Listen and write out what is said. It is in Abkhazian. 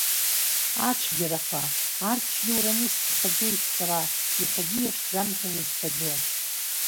Ацәгьарақәа, арҭ цәгьоураны исԥхьаӡоит сара, иахьагьы иаҿӡам ҳәа узҳәаӡом.